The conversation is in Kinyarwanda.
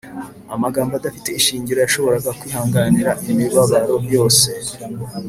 amagambo adafite ishingiro yashoboraga kwihanganira imibabaro yose